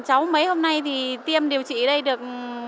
cháu mấy hôm nay thì tiêm điều trị ở đây được